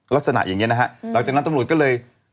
ลักษณะอย่างนี้นะฮะหลังจากนั้นตำรวจก็เลย